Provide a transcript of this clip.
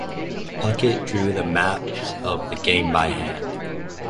Puckett drew the maps of the game by hand.